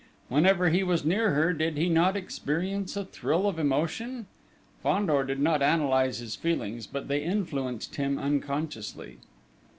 Whenever he was near her, did he not experience a thrill of emotion? Fandor did not analyse his feelings, but they influenced him unconsciously.